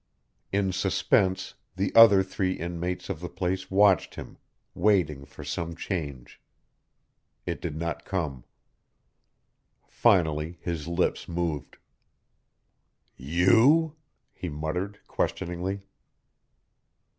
In suspense the other three inmates of the place watched him, waiting for some change. It did not come. Finally his lips moved. "You?" he muttered, questioningly.